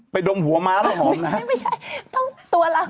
ดมหัวม้าแล้วหอมนะไม่ใช่ต้องตัวเรา